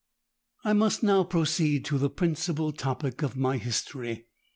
"I must now proceed to the principal topic of my history.